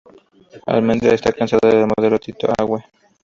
Almendra está casada con el modelo Tito Awe.